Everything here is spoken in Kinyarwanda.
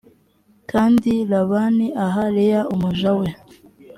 kandi labani aha leya umuja we